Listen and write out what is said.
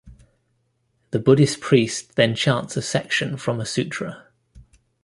The Buddhist priest then chants a section from a sutra.